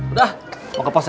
udah mau ke pos aja